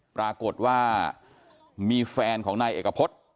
ปรากฏว่ามีแฟนของนายเอกพฤษ